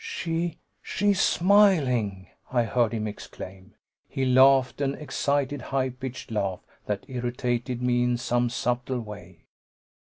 "She she's smiling!" I heard him exclaim. He laughed, an excited, high pitched laugh that irritated me in some subtle way.